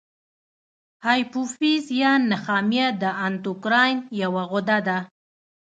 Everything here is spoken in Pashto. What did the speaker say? هایپوفیز یا نخامیه د اندوکراین یوه غده ده.